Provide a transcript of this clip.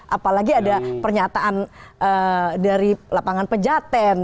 apalagi ada pernyataan dari lapangan pejaten